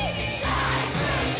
「大好き！」